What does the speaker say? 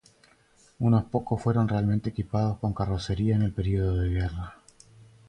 Unos pocos fueron realmente equipados con la carrocería en el periodo de guerra.